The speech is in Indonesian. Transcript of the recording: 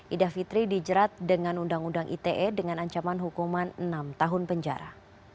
ida fitri dijerat dengan undang undang ite dengan ancaman hukuman enam tahun penjara